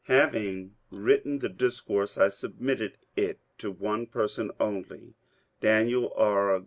Having written the discourse I submitted it to one person only, — Daniel R.